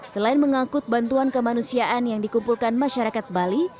selain mengangkut bantuan kemanusiaan yang dikumpulkan masyarakat bali